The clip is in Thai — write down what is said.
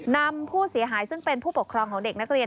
นำผู้เสียหายซึ่งเป็นผู้ปกครองของเด็กนักเรียน